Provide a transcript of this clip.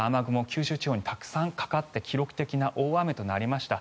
九州地方にたくさんかかって記録的な大雨となりました。